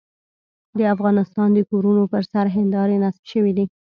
د افغانستان د کورونو پر سر هندارې نصب شوې دي.